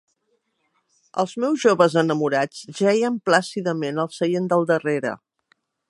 Els meus joves enamorats jeien plàcidament al seient del darrere.